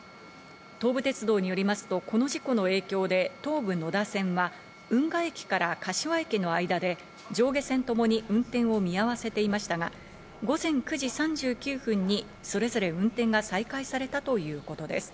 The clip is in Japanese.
東武鉄道によりますと、この事故の影響で、東武野田線は、運河駅から柏駅の間で上下線ともに運転を見合わせていましたが、午前９時３９分にそれぞれ運転が再開されたということです。